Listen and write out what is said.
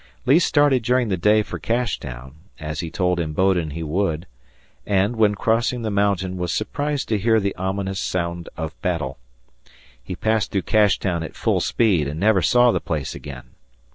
Lee started during the day for Cashtown, as he told Imboden he would, and, when crossing the mountain, was surprised to hear the ominous sound of battle. He passed through Cashtown at full speed and never saw the place again.